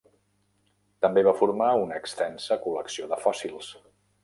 També va formar una extensa col·lecció de fòssils.